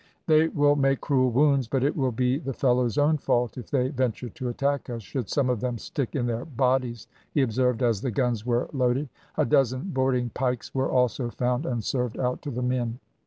"These will make cruel wounds, but it will be the fellows' own fault if they venture to attack us, should some of them stick in their bodies," he observed, as the guns were loaded. A dozen boarding pikes were also found and served out to the men.